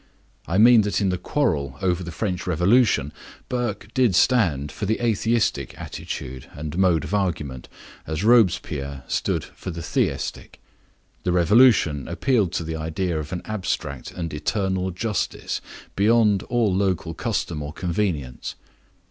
I mean that in the quarrel over the French Revolution, Burke did stand for the atheistic attitude and mode of argument, as Robespierre stood for the theistic. The Revolution appealed to the idea of an abstract and eternal justice, beyond all local custom or convenience.